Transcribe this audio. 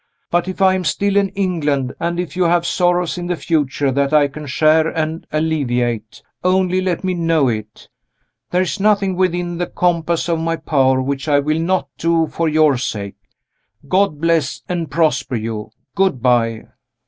"But if I am still in England and if you have sorrows in the future that I can share and alleviate only let me know it. There is nothing within the compass of my power which I will not do for your sake. God bless and prosper you! Good by!"